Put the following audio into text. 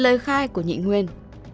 sáu lời khai của nhị nguyên